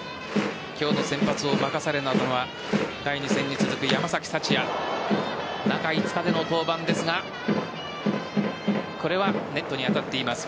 今日の先発を任されたのは第２戦に続く山崎福也中５日での登板ですがこれはネットに当たっています。